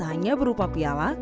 hanya berupa piala